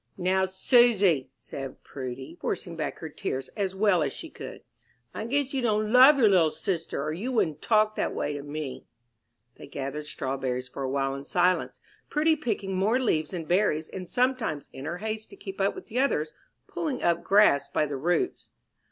"Now, Susy," said Prudy, forcing back her tears as well as she could, "I guess you don't love your little sister, or you wouldn't talk that way to me." They gathered strawberries for a while in silence, Prudy picking more leaves than berries, and sometimes, in her haste to keep up with the others, pulling up grass by the roots.